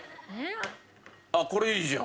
あっこれいいじゃん。